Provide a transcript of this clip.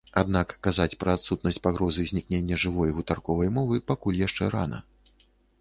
Аднак казаць пра адсутнасць пагрозы знікнення жывой гутарковай мовы пакуль яшчэ рана.